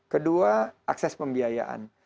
kedua akses pembiayaan